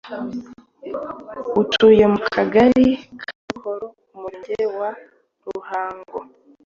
utuye mu Kagali ka Buhoro, Umurenge wa Ruhango